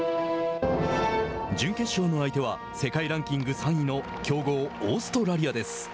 準決勝の相手は世界ランキング３位の強豪・オーストラリアです。